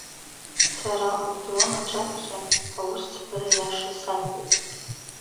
Сара утрон аҿаԥхьа аусӡбара иаша саҳәоит.